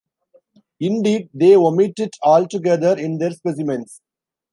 Indeed, they omit it altogether in their specimens...